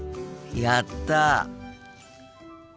やった！